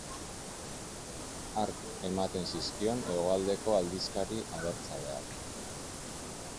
Hark ematen zizkion hegoaldeko aldizkari abertzaleak.